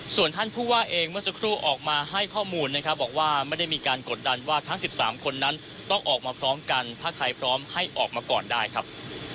ส่วนท่านผู้ว่าเองเมื่อสักครู่ออกมาให้ข้อมูลนะครับบอกว่าไม่ได้มีการกดดันว่าทั้ง๑๓คนนั้นต้องออกมาพร้อมกันถ้าใครพร้อมให้ออกมาก่อนได้ครับ